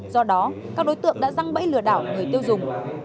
do đó các đối tượng đã răng bẫy lừa đảo người tiêu dùng